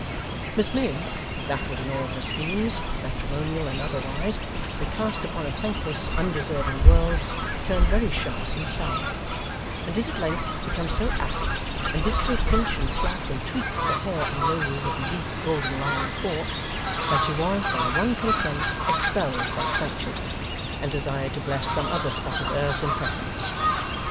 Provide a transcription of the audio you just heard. Miss Miggs, baffled in all her schemes, matrimonial and otherwise, and cast upon a thankless, undeserving world, turned very sharp and sour; and did at length become so acid, and did so pinch and slap and tweak the hair and noses of the youth of Golden Lion Court, that she was by one consent expelled that sanctuary, and desired to bless some other spot of earth, in preference.